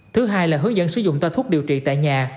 thứ hai là hướng dẫn sử dụng toa thuốc điều trị tại nhà